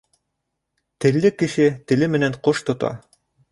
Телле кеше теле менән ҡош тота.